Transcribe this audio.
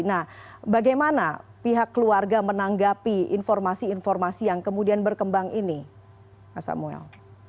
nah bagaimana pihak keluarga menanggapi informasi informasi yang kemudian berkembang ini mas samuel